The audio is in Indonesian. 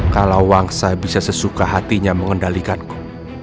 kalau wangsa bisa sesuka hatinya mengendalikanku